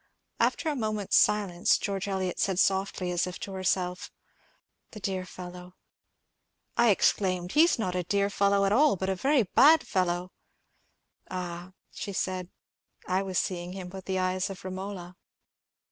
After a moment's silence George Eliot said softly, as if to herself :' The dear fellow.' I exclaimed ' He 's not a dear fellow at all, but a very bad fellow I '^ Ah,' she said, ' I was seeing him with the eyes of Bomola.'